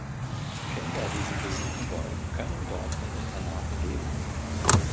Kinder, die sie besuchen wollen, können dort in Internaten leben.